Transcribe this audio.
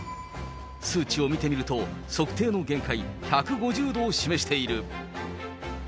数値を見てみると、測定の限界、１５０度を示している。